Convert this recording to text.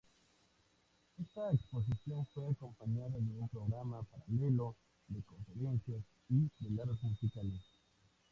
Esta exposición fue acompañada de un programa paralelo de conferencias y veladas musicales.